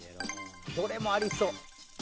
どれもありそう。